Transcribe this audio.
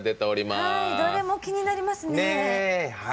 どれも気になりますね。